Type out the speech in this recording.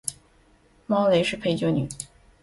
猫雷是陪酒女